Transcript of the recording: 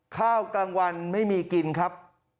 ข้าวกลางวันไม่มีกินครับ